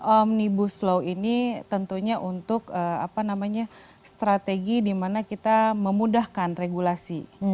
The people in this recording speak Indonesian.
omnibus law ini tentunya untuk strategi dimana kita memudahkan regulasi